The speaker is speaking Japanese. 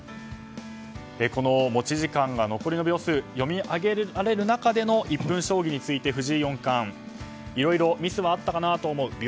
この持ち時間の残りが読み上げられる中での１分将棋について藤井四冠いろいろミスはあったかなと思う。